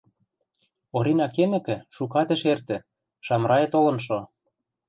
Оринӓ кемӹкӹ, шукат ӹш эртӹ, Шамрай толын шо.